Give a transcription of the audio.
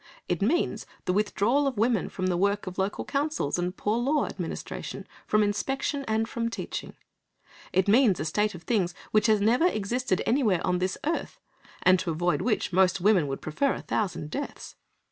It means the withdrawal of women from the work of local councils and poor law administration, from inspection, and from teaching. It means a state of things which has never existed anywhere on this earth, and to avoid which most women would prefer a thousand deaths.